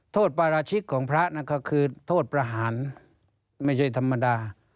โทษปาราชิกของพระนะคะคือโทษประหารไม่ใช่ธรรมดา